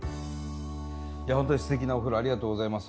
いや本当にすてきなお風呂ありがとうございます。